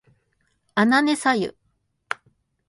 あなねさゆ